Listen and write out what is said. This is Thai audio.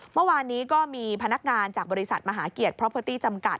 เมื่อวานนี้ก็มีพนักงานจากบริษัทมหาเกียรติเพราะเพอร์ตี้จำกัด